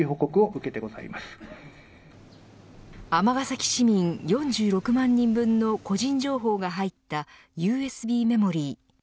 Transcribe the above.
尼崎市民４６万人分の個人情報が入ったＵＳＢメモリー。